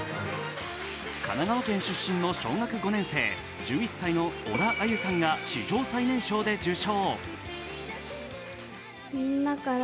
神奈川県出身の小学５年生、１１歳の小田愛結さんが史上最年少で受賞。